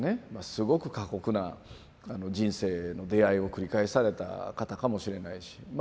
すごく過酷な人生の出会いを繰り返された方かもしれないしま